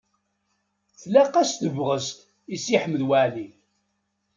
Tlaq-as tebɣest i Si Ḥmed Waɛli.